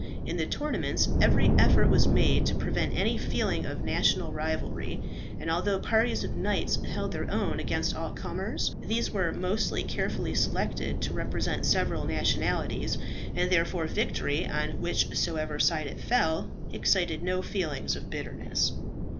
In the tournaments every effort was made to prevent any feeling of national rivalry, and although parties of knights held their own against all comers, these were most carefully selected to represent several nationalities, and therefore victory, on whichsoever side it fell, excited no feelings of bitterness.